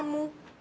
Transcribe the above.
ram lupakan ratu